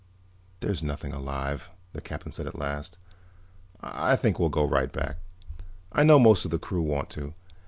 "There's nothing alive," the Captain said at last. "I think we'll go right back; I know most of the crew want to.